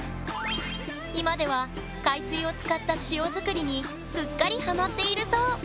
今では海水を使った塩作りにすっかりハマっているそう！